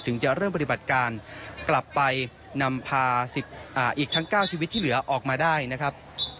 จะเริ่มปฏิบัติการกลับไปนำพาอีกทั้ง๙ชีวิตที่เหลือออกมาได้นะครับ